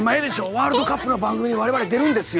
ワールドカップの番組に我々出るんです。